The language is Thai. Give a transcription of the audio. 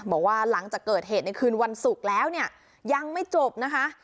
บอกว่าหลังจากเกิดเหตุในคืนวันศุกร์แล้วเนี่ยยังไม่จบนะคะ